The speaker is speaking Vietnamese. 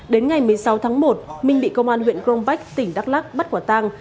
đến ngày một mươi sáu tháng một minh bị công an huyện grombach tỉnh đắk lắc bắt quả tăng